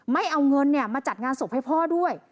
ไม่เอาเงินมาจัดงานศพให้พ่อด้วย